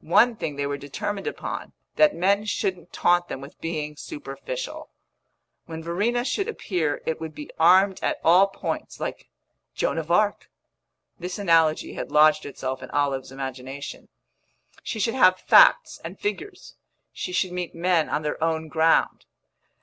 One thing they were determined upon that men shouldn't taunt them with being superficial. When Verena should appear it would be armed at all points, like Joan of Arc (this analogy had lodged itself in Olive's imagination); she should have facts and figures; she should meet men on their own ground.